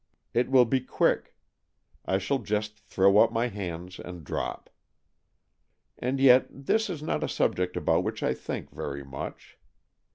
It will be quick. I shall just throw' up my hands and drop. And yet this is not a subject about w'hich I think very much.